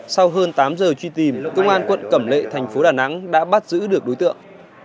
sau hơn tám giờ truy tìm công an quận cẩm lệ thành phố đà nẵng đã bắt giữ được đối tượng